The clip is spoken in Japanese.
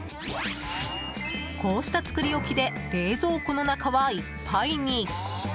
こうした作り置きで冷蔵庫の中はいっぱいに。